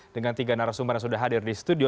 dengan tiga narasumber yang sudah hadir di studio